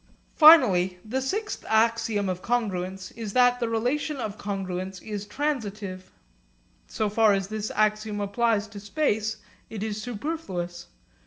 Finally the sixth axiom of congruence is that the relation of congruence is transitive. So far as this axiom applies to space, it is superfluous.